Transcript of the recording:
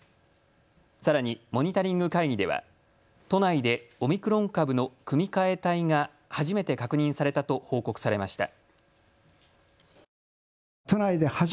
さらにモニタリング会議では都内でオミクロン株の組み換え体が初めて確認されたと報告されました。